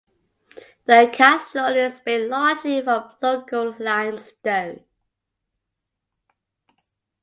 The cathedral is built largely from local limestone.